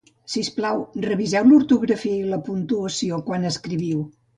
Sisplau, reviseu l'ortografia i la puntuació quan escriviu